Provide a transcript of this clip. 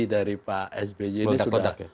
dari pak sby ini sudah